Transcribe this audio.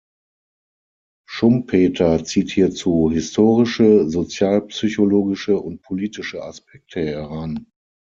Schumpeter zieht hierzu historische, sozialpsychologische und politische Aspekte heran.